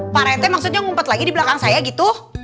pak rente maksudnya ngumpet lagi di belakang saya gitu